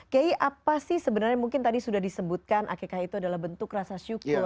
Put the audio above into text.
kiai apa sih sebenarnya mungkin tadi sudah disebutkan akekah itu adalah bentuk rasa syukur